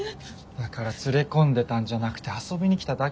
だから連れ込んでたんじゃなくて遊びに来ただけなんだって同級生が。